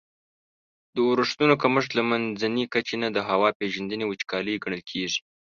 د اورښتونو کمښت له منځني کچي نه د هوا پیژندني وچکالي ګڼل کیږي.